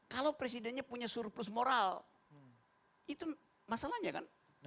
kalau presidennya punya surplus moral itu masalahnya kan